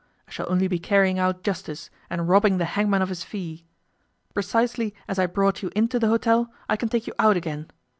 I shall only be carrying out justice, and robbing the hangman of his fee. Precisely as I brought you into the hotel, I can take you out again.